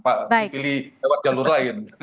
pak zul pilih lewat jalur lain